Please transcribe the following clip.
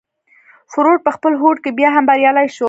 فورډ په خپل هوډ کې بيا هم بريالی شو.